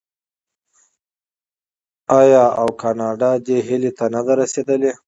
آیا او کاناډا دې هیلې ته نه ده رسیدلې؟